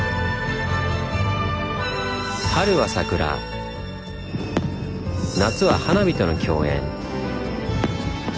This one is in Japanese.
春は桜夏は花火との共演。